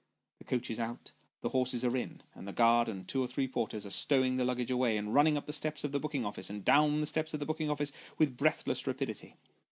The coach is out ; the horses are in, and the guard and two or three porters, are stowing the luggage away, and running up the steps of the booking office, and down the steps of the booking office, with breathless rapidity.